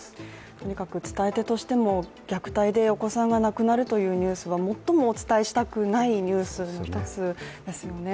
とにかく伝え手としても虐待でお子さんが亡くなるというニュースは最もお伝えしたくないニュースですよね。